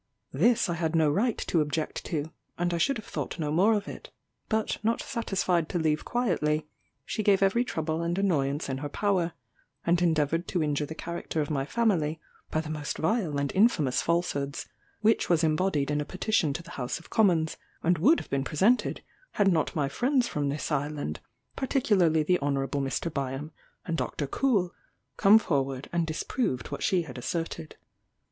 This I had no right to object to; and I should have thought no more of it, but not satisfied to leave quietly, she gave every trouble and annoyance in her power, and endeavoured to injure the character of my family by the most vile and infamous falsehoods, which was embodied in a petition to the House of Commons, and would have been presented, had not my friends from this island, particularly the Hon. Mr. Byam and Dr. Coull, come forward, and disproved what she had asserted.